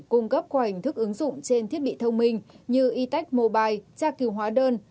cung cấp qua hình thức ứng dụng trên thiết bị thông minh như e tech mobile tra kiều hóa đơn